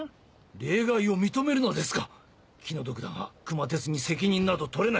例外を認めるのですか⁉気の毒だが熊徹に責任など取れない！